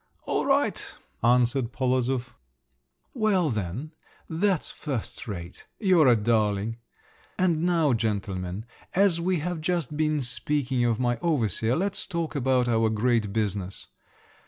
"All right," answered Polozov. "Well then, that's first rate. You're a darling. And now, gentlemen, as we have just been speaking of my overseer, let's talk about our great business.